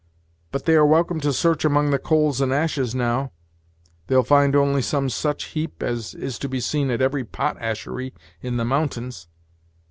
But they are welcome to search among the coals and ashes now; they'll find only some such heap as is to be seen at every pot ashery in the mountains."